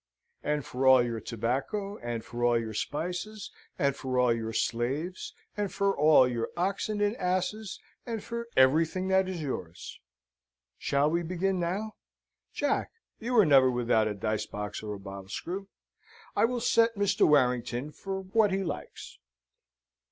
"And for all your tobacco, and for all your spices, and for all your slaves, and for all your oxen and asses, and for everything that is yours." "Shall we begin now? Jack, you are never without a dice box or a bottle screw. I will set Mr. Warrington for what he likes."